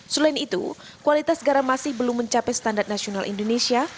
selain itu kualitas garam masih belum mencapai standar nasional indonesia